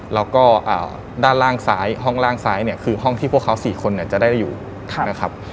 แล้วก็ด้านล่างซ้ายห้องล่างซ้ายเนี่ยคือห้องที่พวกเขา๔คนจะได้อยู่นะครับ